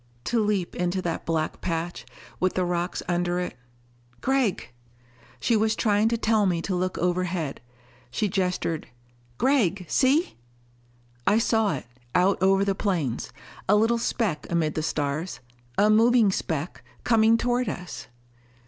To leap into that black patch, with the rocks under it.... "Gregg " She was trying to tell me to look overhead. She gestured, "Gregg, see!" I saw it, out over the plains, a little speck amid the stars. A moving speck, coming toward us!